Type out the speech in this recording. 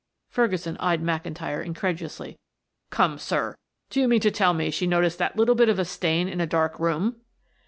Ferguson eyed McIntyre incredulously. "Come, sir, do you mean to tell me she noticed that little bit of a stain in a dark room?"